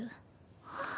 あっ。